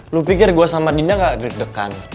lu pikir gue sama dinda gak deg degan